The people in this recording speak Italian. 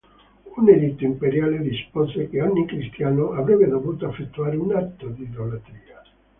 Un editto imperiale dispose che ogni cristiano avrebbe dovuto effettuare un atto di idolatria.